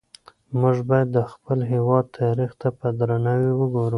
موږ باید د خپل هېواد تاریخ ته په درناوي وګورو.